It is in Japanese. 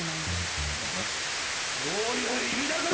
どういう意味だコラ！